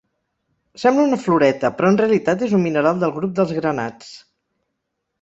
Sembla una floreta, però en realitat és un mineral del grup dels granats.